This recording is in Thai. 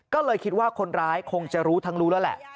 ก็เลยคิดว่าคนร้ายคงจะรู้ทั้งรู้แล้วแหละ